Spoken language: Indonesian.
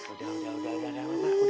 udah udah udah udah emak